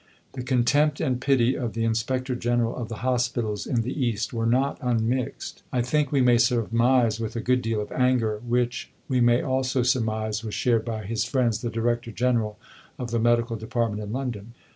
" The contempt and pity of the Inspector General of the hospitals in the East were not unmixed, I think we may surmise, with a good deal of anger, which, we may also surmise, was shared by his friend, the Director General of the Medical Department in London.